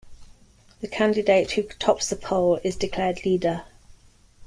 The candidate who tops the poll is declared leader.